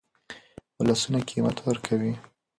ولسونه قیمت ورکوي.